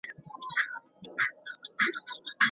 زه پرون د کور کتابونه ترتيب کوم وم.